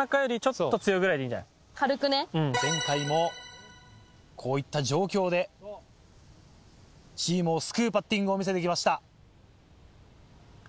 前回もこういった状況でチームを救うパッティングを見せてきました。